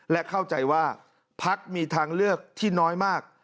และเข้าใจว่าพักมีทางเลือกที่น้อยมาก